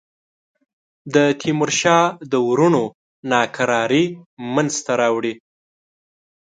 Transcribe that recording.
د تیمورشاه د وروڼو ناکراری منځته راوړي.